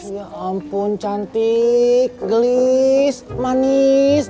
ya ampun cantik gelis manis